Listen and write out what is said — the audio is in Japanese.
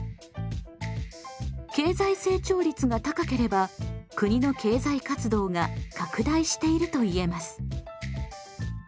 経済成長率が高ければ国の経済活動が拡大していると言えます。